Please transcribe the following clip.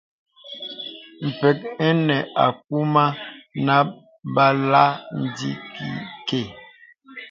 Pə̀k enə akūmà nə bəlà dimi kɛ.